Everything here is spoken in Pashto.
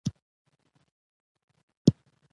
زه هڅه کوم له خپلې کورنۍ سره کافي وخت تېر کړم